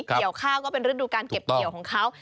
เกี่ยวข้าวก็เป็นฤดูการเก็บเกี่ยวของเขา